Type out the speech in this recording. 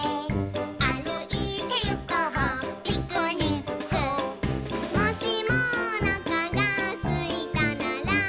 「あるいてゆこうピクニック」「もしもおなかがすいたなら」